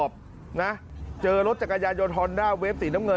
ไม่ได้เลือกละมั่ง